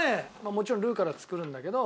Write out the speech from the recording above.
もちろんルーから作るんだけど。